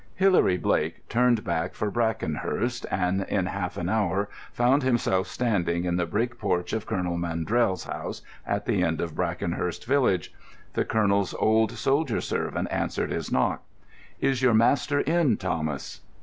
Hilary Blake turned back for Brackenhurst, and in half an hour found himself standing in the brick porch of Colonel Maundrell's house at the end of Brackenhurst village. The colonel's old soldier servant answered his knock. "Is your master in, Thomas?"